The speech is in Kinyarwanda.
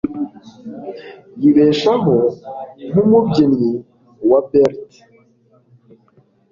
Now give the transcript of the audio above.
Yibeshaho nkumubyinnyi wa ballet.